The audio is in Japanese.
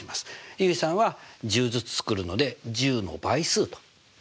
結衣さんは１０ずつ作るので１０の倍数というのを使ってるんですね。